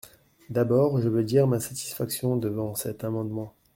D’abord, je veux dire ma satisfaction devant cet amendement.